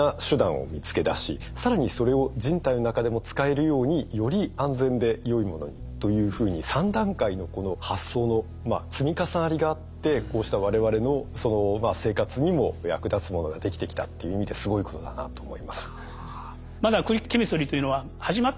更にそれを人体の中でも使えるようにより安全でよいものにというふうに３段階の発想の積み重なりがあってこうした我々の生活にも役立つものができてきたっていう意味ですごいことだなと思います。